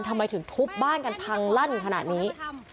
ทำไมถึงทุบบ้านกันพังลั่นขนาดนี้